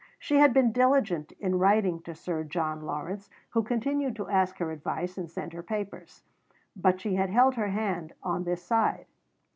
She had been diligent in writing to Sir John Lawrence, who continued to ask her advice and send her papers; but she had held her hand on this side.